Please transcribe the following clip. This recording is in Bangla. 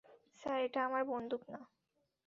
স্যার, এটা আমার বন্দুক না।